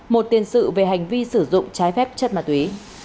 một tiền sự về hành vi sử dụng trái phép chất ma túy